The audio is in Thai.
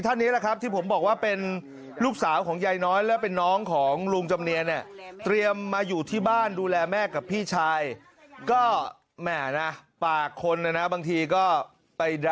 ท่านี้แหละครับที่ผมบอกว่าเป็นลูกสาวของยายน้อยและเป็นน้องของลุงจำเนียเนี่ย